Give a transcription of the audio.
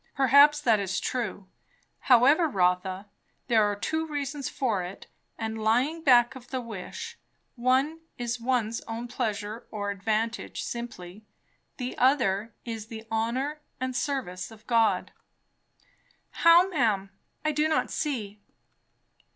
"Perhaps that is true. However, Rotha, there are two reasons for it and lying back of the wish; one is one's own pleasure or advantage simply. The other is the honour and service of God." "How, ma'am? I do not see."